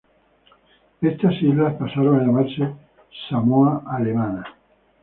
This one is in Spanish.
Estas islas pasaron a llamarse Samoa Alemana.